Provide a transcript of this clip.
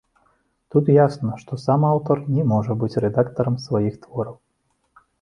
Тут ясна, што сам аўтар не можа быць рэдактарам сваіх твораў.